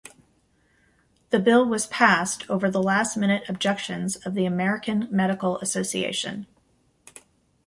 The bill was passed over the last-minute objections of the American Medical Association.